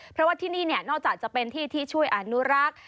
เพราะว่าที่นี่นอกจากจะเป็นที่ที่ช่วยอนุรักษ์